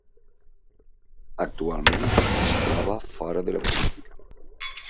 Actualment es troba fora de la política.